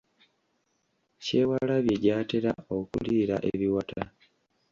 Kyewaalabye gy’atera okuliira ebiwata.